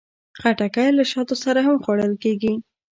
خټکی له شاتو سره هم خوړل کېږي.